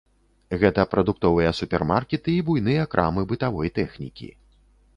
Гэта прадуктовыя супермаркеты і буйныя крамы бытавой тэхнікі.